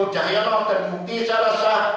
menyatakan terdakwa terbukti secara sah